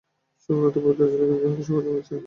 সকল আত্মাই পবিত্র ছিল, কিন্তু তাহাদের সঙ্কোচন হইয়াছে।